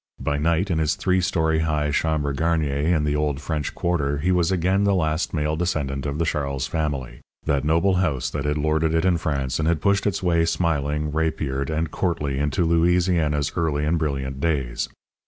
By night, in his three story high chambre garnier in the old French Quarter he was again the last male descendant of the Charles family, that noble house that had lorded it in France, and had pushed its way smiling, rapiered, and courtly into Louisiana's early and brilliant days.